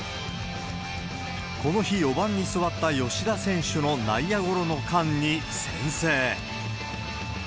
この日、４番に座った吉田選手の内野ゴロの間に先制。